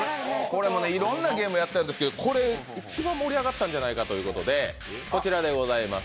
これもいろんなゲームやったんですけど、これね、一番盛り上がったんじゃないかということで。